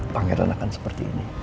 pangeran akan seperti ini